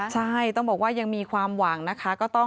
ใช่ต้องบอกว่ายังมีความหวังนะคะ